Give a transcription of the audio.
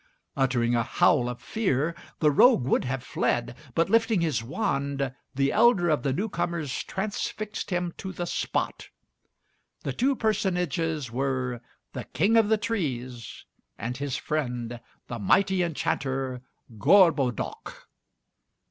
Uttering a howl of fear, the rogue would have fled, but, lifting his wand, the elder of the newcomers transfixed him to the spot. The two personages were the King of the Trees and his friend, the mighty enchanter, Gorbodoc.